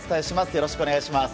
よろしくお願いします。